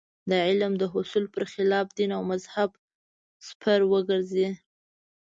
د علم د حصول پر خلاف دین او مذهب سپر وګرځي.